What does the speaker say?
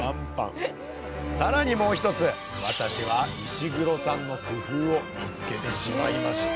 さらにもう一つ私は石黒さんの工夫を見つけてしまいました！